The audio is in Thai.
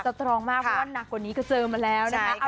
ตรองมากเพราะว่านักกว่านี้ก็เจอมาแล้วนะคะ